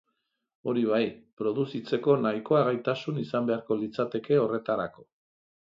Hori bai, produzitzeko nahikoa gaitasun izan beharko litzateke horretarako.